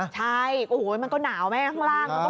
ใช่มันก็หนาวไหมข้างล่าง